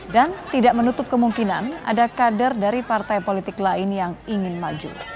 dan tidak menutup kemungkinan ada kader dari partai politik lain yang ingin maju